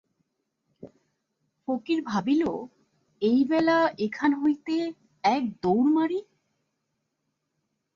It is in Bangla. ফকির ভাবিল, এইবেলা এখান হইতে এক দৌড় মারি।